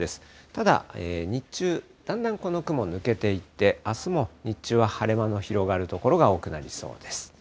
ただ日中、だんだんこの雲抜けていって、あすも日中は晴れ間の広がる所が多くなりそうです。